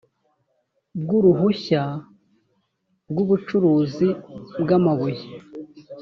bw uruhushya rw ubucukuzi bw amabuye